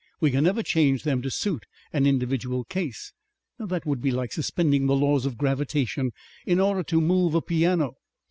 We can never change them to suit an individual case. That would be like suspending the laws of gravitation in order to move a piano.